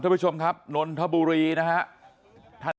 ท่านผู้ชมครับนนทบุรีนะฮะ